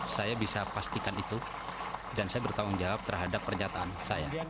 saya bisa pastikan itu dan saya bertanggung jawab terhadap pernyataan saya